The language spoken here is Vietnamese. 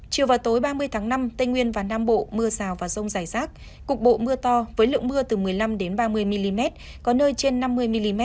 chiều và tối ba mươi tháng năm tây nguyên và nam bộ mưa rào và rông rải rác cục bộ mưa to với lượng mưa từ một mươi năm ba mươi mm có nơi trên năm mươi mm